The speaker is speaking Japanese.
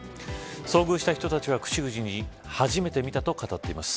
遭遇した人たちが口々に初めて見たと語っています。